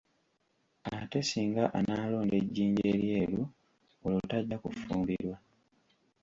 Ate singa anaalonda ejjinja eryeru olwo tajja kunfumbirwa.